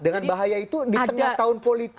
dengan bahaya itu di tengah tahun politik